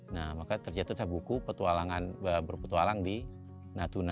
nah maka terjatuh salah buku berpetualang di natuna